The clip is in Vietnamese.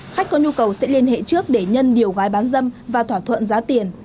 khách có nhu cầu sẽ liên hệ trước để nhân điều gái bán dâm và thỏa thuận giá tiền